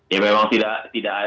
ya memang tidak